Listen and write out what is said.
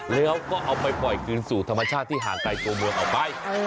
แล้วก็เอาไปปล่อยคืนสู่ธรรมชาติที่ห่างไกลตัวเมืองออกไป